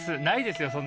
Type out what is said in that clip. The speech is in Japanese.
ないですよ